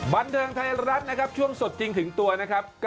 บันเทิงไทยรัฐนะครับช่วงสดจริงถึงตัวนะครับ